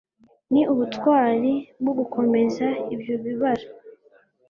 ni ubutwari bwo gukomeza ibyo bibara